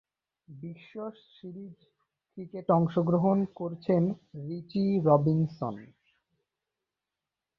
বিশ্ব series cricket অংশগ্রহণ করেছেন রিচি রবিনসন।